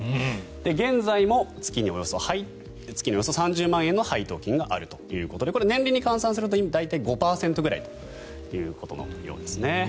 現在も月におよそ３０万円の配当金があるということでこれ、年利に換算すると大体５％くらいのようです。